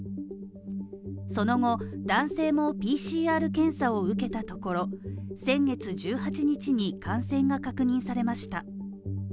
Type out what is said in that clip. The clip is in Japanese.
その後、男性もＰＣＲ検査を受けたところ、先月１８日に感染が確認されました。